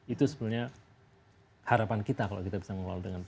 itu sebenarnya harapan kita kalau kita bisa mengelola